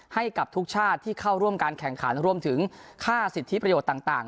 ให้กับทุกชาติที่เข้าร่วมการแข่งขันรวมถึงค่าสิทธิประโยชน์ต่าง